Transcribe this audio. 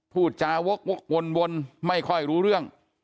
พูดจาวกวนไม่ค่อยรู้เรื่อง